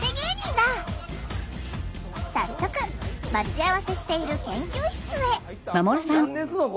早速待ち合わせしている研究室へ。